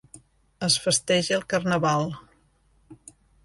Es festeja el carnaval.